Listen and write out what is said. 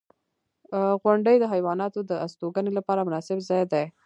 • غونډۍ د حیواناتو د استوګنې لپاره مناسب ځای دی.